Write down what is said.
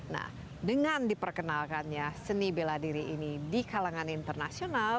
nah dengan diperkenalkannya seni bela diri ini di kalangan internasional